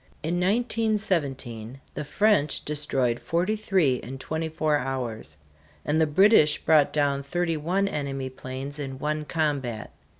In 1917 the French destroyed forty three in twenty four hours; and the British brought down thirty one enemy planes in one combat.